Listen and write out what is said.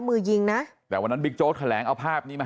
มือยิงนะแต่วันนั้นบิ๊กโจ๊กแถลงเอาภาพนี้มา